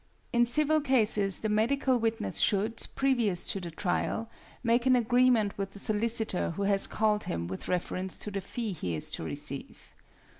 In civil cases the medical witness should, previous to the trial, make an agreement with the solicitor who has called him with reference to the fee he is to receive.